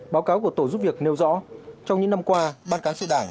báo cáo của tổ giúp việc nêu rõ trong những năm qua ban cán sự đảng